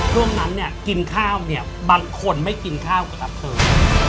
ช่วงนั้นเนี่ยกินข้าวเนี่ยบางคนไม่กินข้าวก็รับเธอ